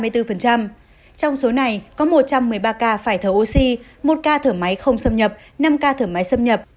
trong số này có một trăm một mươi ba ca phải thở oxy một ca thở máy không xâm nhập năm ca thử máy xâm nhập